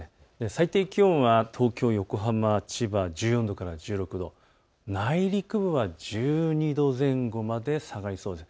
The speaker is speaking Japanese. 最低気温は東京、横浜、千葉１４度から１６度、内陸部は１２度前後まで下がりそうです。